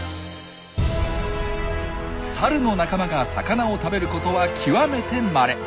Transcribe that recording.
サルの仲間が魚を食べることは極めてまれ。